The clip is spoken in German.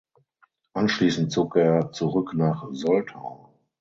Anschließend zog er zurück nach Soltau.